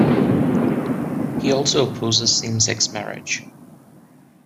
He also opposes same-sex marriage.